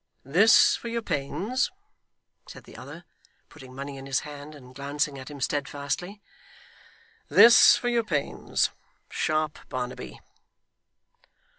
'This for your pains,' said the other, putting money in his hand, and glancing at him steadfastly.'This for your pains, sharp Barnaby.